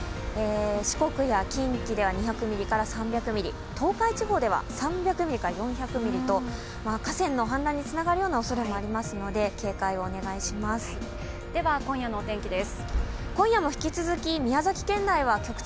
四国や近畿では２００３００ミリ、東海地方では３００４００ミリと河川の氾濫につながるようなおそれもありますので警戒をお願いします。